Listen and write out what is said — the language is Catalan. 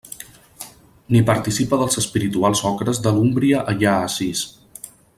Ni participa dels espirituals ocres de l'Úmbria allà a Assís.